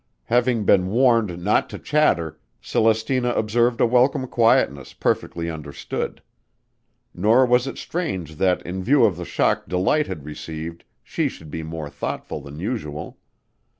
Having been warned not to chatter, Celestina observed a welcome quietness perfectly understood. Nor was it strange that in view of the shock Delight had received she should be more thoughtful than usual.